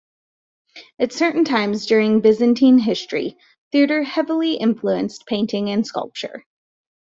At certain times during Byzantine history, theater heavily influenced painting and sculpture.